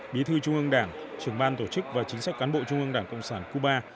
bí thư trung ương đảng trưởng ban tổ chức và chính sách cán bộ trung ương đảng cộng sản cuba